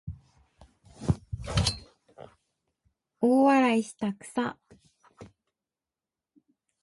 大笑いしたくさ